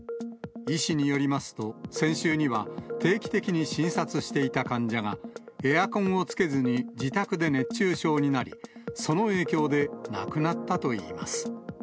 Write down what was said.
医師によりますと、先週には定期的に診察していた患者が、エアコンをつけずに自宅で熱中症になり、その影響で亡くなったといいます。